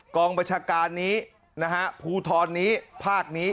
กองประชาการนี้ภูท้อนนี้ภาคนี้